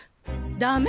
ダメ